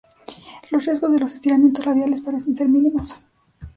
Los riesgos de los estiramientos labiales parecen ser mínimos.